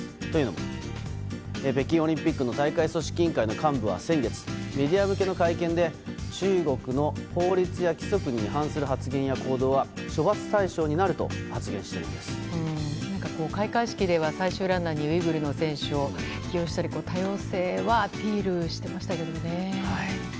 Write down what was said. というのも、北京オリンピックの大会組織委員会の幹部は先月、メディア向けの会見で、中国の法律や規則に違反する発言や行動は処罰対象になると発言しなんか開会式では、最終ランナーにウイグルの選手を起用したり、多様性はアピールしてましたけどもね。